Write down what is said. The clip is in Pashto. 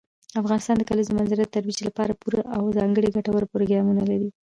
افغانستان د کلیزو منظره د ترویج لپاره پوره او ځانګړي ګټور پروګرامونه لري.